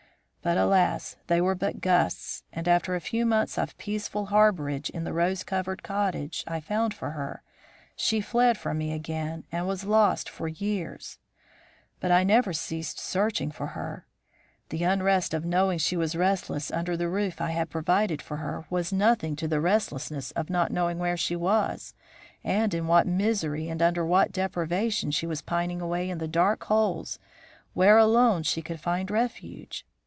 But, alas! they were but gusts, and after a few months of peaceful harbourage in the rose covered cottage I found for her, she fled from me again and was lost for years. But I never ceased searching for her. The unrest of knowing she was restless under the roof I had provided for her was nothing to the restlessness of not knowing where she was and in what misery and under what deprivation she was pining away in the dark holes where alone she could find refuge.